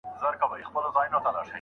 پلار نوی ځای ورته ښيي.